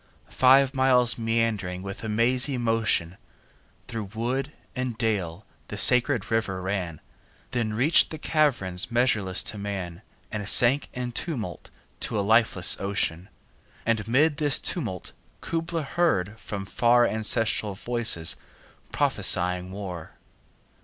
Five miles meandering with a mazy motion 25 Through wood and dale the sacred river ran, Then reach'd the caverns measureless to man, And sank in tumult to a lifeless ocean: And 'mid this tumult Kubla heard from far Ancestral voices prophesying war!